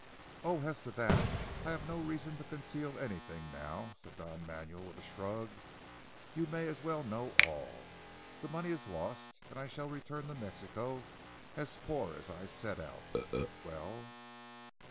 "Oh, as to that I have no reason to conceal anything now," said Don Manuel with a shrug, "you may as well know all. The money is lost and I shall return to Mexico as poor as I set out. Well?"